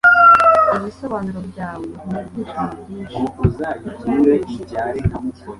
ibisobanuro byawe nibyishimo byinshi